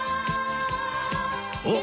おっ！